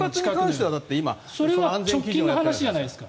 それは直近の話じゃないですか。